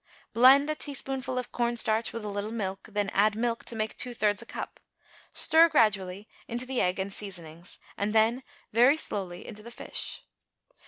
Blend a teaspoonful of cornstarch with a little milk; then add milk to make two thirds a cup, stir gradually into the egg and seasonings, and then very slowly into the fish.